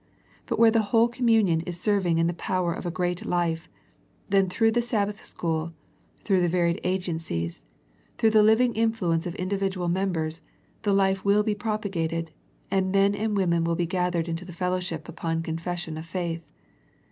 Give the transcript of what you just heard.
But where the whole communion is serving in the power of a great life, then through the Sab bath School, through the varied agencies, through the living influence of individual members, the life will be propagated, and men and women will be gathered into the fellow ship upon confession of faith.